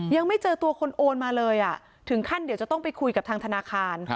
ยังไม่เจอตัวคนโอนมาเลยถึงขั้นเดี๋ยวจะต้องไปคุยกับทางธนาคาร